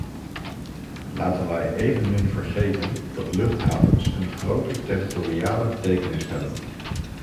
Laten wij evenmin vergeten dat luchthavens een grote territoriale betekenis hebben.